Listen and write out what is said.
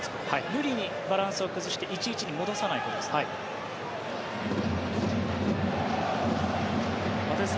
無理にバランスを崩して１−１に戻さないことです。